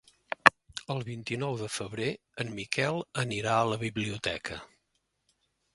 El vint-i-nou de febrer en Miquel anirà a la biblioteca.